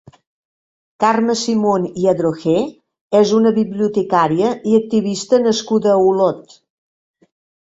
Carme Simon i Adroher és una bibliotecària i activista nascuda a Olot.